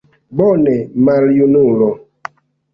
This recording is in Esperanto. Bone, maljunulo!